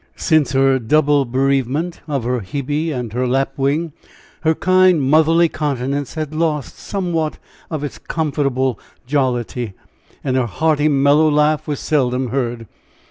Since her double bereavement of her "Hebe" and her "Lapwing," her kind, motherly countenance had lost somewhat of its comfortable jollity, and her hearty mellow laugh was seldom heard.